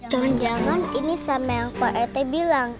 jangan jangan ini sama yang pak rt bilang